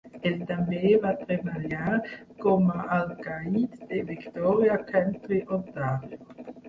Ell també va treballar com a alcaid de Victoria County, Ontario.